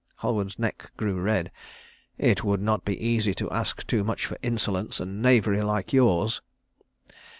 Halward's neck grew red. "It would not be easy to ask too much for insolence and knavery like yours."